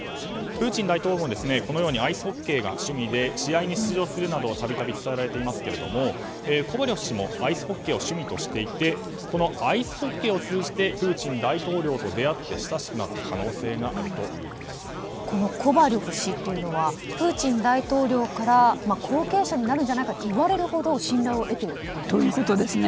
プーチン大統領もこのようにアイスホッケーが趣味で試合に出場するなど度々伝えられていますがコバリョフ氏もアイスホッケーを趣味としていてこのアイスホッケーを通じてプーチン大統領と出会って親しくなったコバリョフ氏というのはプーチン大統領から後継者になるんじゃないかと言われるほど信頼を得ているということですか。